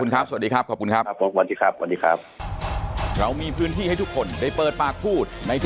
ครับขอบพระคุณมากครับขอบคุณมาก